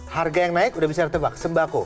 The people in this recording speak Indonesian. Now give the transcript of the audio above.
harga yang naik udah bisa ditebak sembako